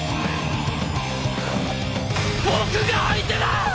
僕が相手だ！